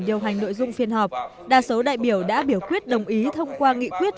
điều hành nội dung phiên họp đa số đại biểu đã biểu quyết đồng ý thông qua nghị quyết